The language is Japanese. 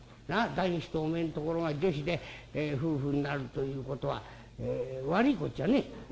男子とおめえんところが女子で夫婦になるということは悪いことじゃねえ」。